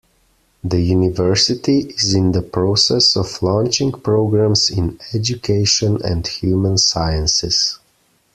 The University is in the process of launching programs in education and human sciences.